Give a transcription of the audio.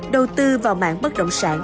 đầu tư vào mạng bất động sản